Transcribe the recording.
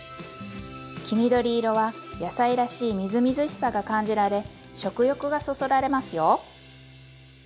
黄緑色は野菜らしいみずみずしさが感じられ食欲がそそられますよ！